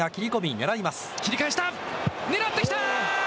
狙ってきた。